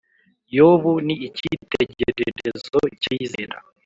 yobu ni ikitegererezo cya bizera